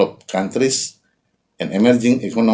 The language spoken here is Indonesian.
dan ekonomi yang berkembang